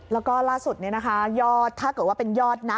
แล้วก็ล่าสุดยอดถ้าเกิดว่าเป็นยอดนะ